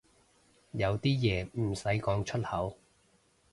有啲嘢唔使講出口